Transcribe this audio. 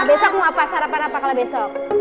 besok mau sarapan apa kala besok